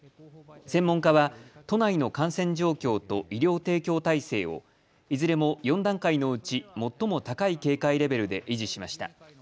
専門家は都内の感染状況と医療提供体制をいずれも４段階のうち最も高い警戒レベルで維持しました。